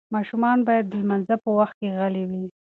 ماشومان باید د لمانځه په وخت کې غلي وي.